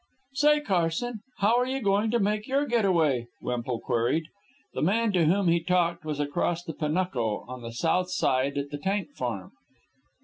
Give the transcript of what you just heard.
"Say, Carson, how are you going to make your get away?" Wemple queried. The man to whom he talked was across the Panuco, on the south side, at the tank farm.